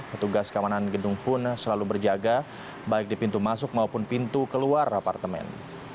petugas keamanan gedung pun selalu berjaga baik di pintu masuk maupun pintu keluar apartemen